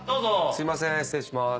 すいません失礼します。